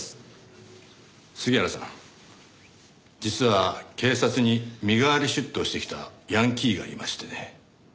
杉原さん実は警察に身代わり出頭してきたヤンキーがいましてね。